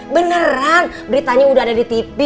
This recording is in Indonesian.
beneran beritanya udah ada di tv